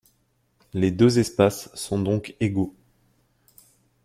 Les deux espaces sont donc égaux.